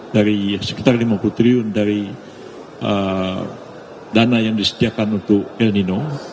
dari sekitar lima puluh triliun dari dana yang disediakan untuk el nino